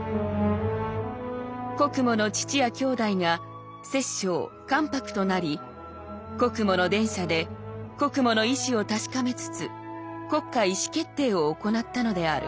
「国母の父や兄弟が摂政・関白となり国母の殿舎で国母の意思を確かめつつ国家意思決定を行ったのである。